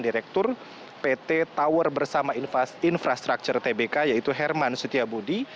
direktur pt tower bersama infrastruktur tbk yaitu herman setiabudi